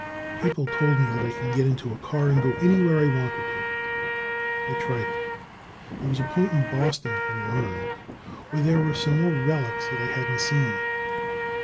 People told me that I could get into a car and go anywhere I wanted to. I tried it. There was a point in Boston, I learned, where there were some more relics that I hadn't seen.